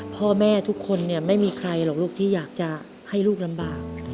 พ่อแม่ทุกคนไม่มีใครที่อยากให้ลูกลำบาก